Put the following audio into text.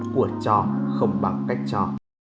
của cho không bằng cách cho